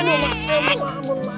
aduh ma ampun ma